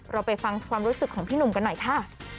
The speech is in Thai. เราไปฟังความรู้สึกของพี่หนุ่มกันหน่อยค่ะ